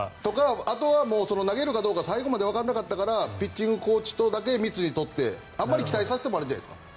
あとは投げるかどうか最後までわからなかったからピッチングコーチとだけ密に取ってあまり期待させてもあれじゃないですか。